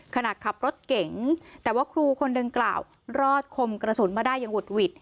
ขณะขับรถเก๋งแต่ว่าครูคนดังกล่าวรอดคมกระสุนมาได้อย่างหุดหวิด